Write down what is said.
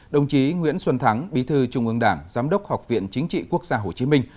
đồng chí nguyễn xuân thắng bí thư trung ương đảng giám đốc học viện chính trị quốc gia hồ chí minh